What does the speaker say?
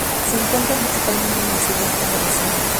Se encuentran principalmente en el Sudeste de Asia.